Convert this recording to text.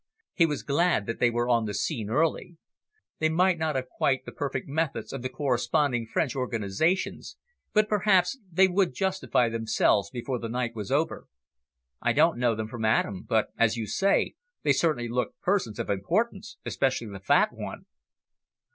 He was glad that they were on the scene early. They might not have quite the perfect methods of the corresponding French organisations, but perhaps they would justify themselves before the night was over. "I don't know them from Adam, but, as you say, they certainly look persons of importance, especially the fat one."